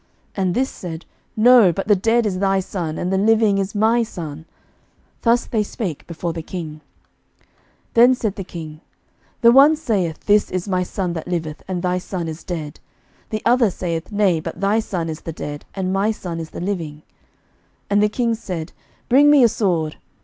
And this said, No; but the dead is thy son, and the living is my son. Thus they spake before the king. 11:003:023 Then said the king, The one saith, This is my son that liveth, and thy son is the dead: and the other saith, Nay; but thy son is the dead, and my son is the living. 11:003:024 And the king said, Bring me a sword.